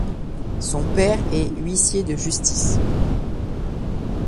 Son père est huissier de justice.